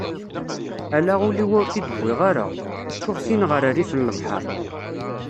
Ala ul-iw ur t-id-wwiγ ara, ttuγ-t-in γef rrif n lebḥeṛ.